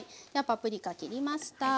パプリカ切りました。